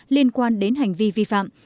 liên quan đến hành vi vi phạm